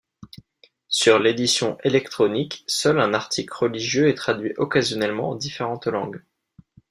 Sur l'édition électronique, seul un article religieux est traduit occasionnellement en différentes langues.